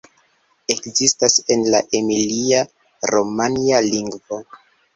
Ekzistas en la emilia-romanja lingvo.